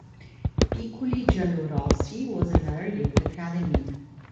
Piccoli Giallorossi, was another youth academy.